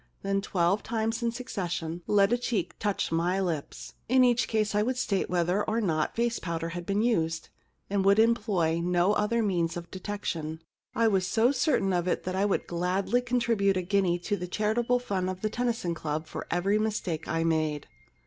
Then twelve times in succession let a cheek touch my 31 The Problem Club lips. In each case I would state whether or not face powder had been used, and would employ no other means of detection. I was so certain of it that I would gladly con tribute a guinea to the charitable fund of the Tennyson Club for every mistake that I made.